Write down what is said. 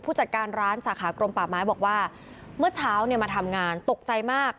จัดการร้านสาขากรมป่าไม้บอกว่าเมื่อเช้าเนี่ยมาทำงานตกใจมาก